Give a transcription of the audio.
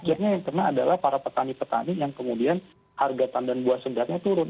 akhirnya yang kena adalah para petani petani yang kemudian harga tandan buah segarnya turun